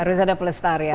harus ada pelestarian